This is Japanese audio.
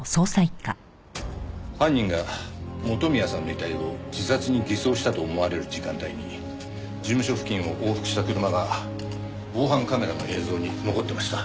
犯人が元宮さんの遺体を自殺に偽装したと思われる時間帯に事務所付近を往復した車が防犯カメラの映像に残ってました。